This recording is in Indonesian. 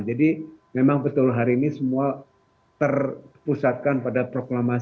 jadi memang betul hari ini semua terpusatkan pada proklamasi ya